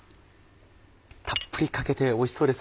たっぷりかけておいしそうですね。